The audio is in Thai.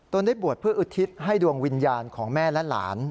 ได้บวชเพื่ออุทิศให้ดวงวิญญาณของแม่และหลาน